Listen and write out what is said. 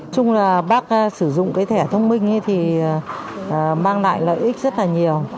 chung là bác sử dụng cái thẻ thông minh thì mang lại lợi ích rất là nhiều